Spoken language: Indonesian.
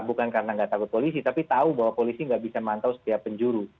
bukan karena nggak takut polisi tapi tahu bahwa polisi nggak bisa mantau setiap penjuru